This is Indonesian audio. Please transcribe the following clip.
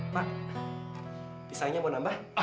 pak pisangnya mau nambah